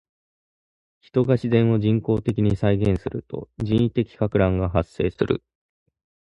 人が自然を人工的に再現すると人為的撹乱が発生する